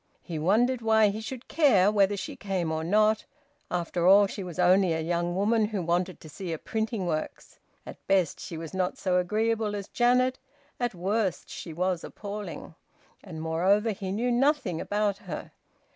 He wondered why he should care whether she came or not; after all she was only a young woman who wanted to see a printing works; at best she was not so agreeable as Janet, at worst she was appalling, and moreover he knew nothing about her.